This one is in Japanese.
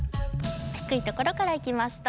低いところからいきますどうぞ。